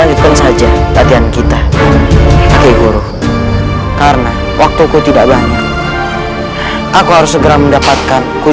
assalamualaikum warahmatullahi wabarakatuh